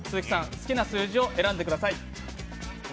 好きな数字を選んでください。